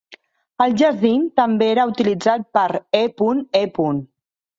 El jacint també era utilitzat per e.e.